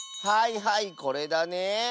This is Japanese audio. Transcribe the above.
はいはいこれだね。